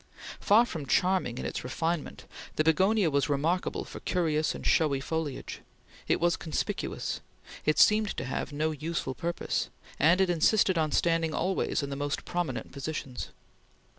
Far from charming in its refinement, the begonia was remarkable for curious and showy foliage; it was conspicuous; it seemed to have no useful purpose; and it insisted on standing always in the most prominent positions.